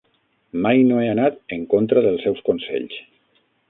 Mai no he anat en contra del seus consells.